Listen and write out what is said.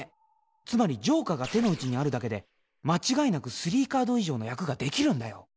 つまりジョーカーが手の内にあるだけで間違いなく３カード以上の役ができるんだよ。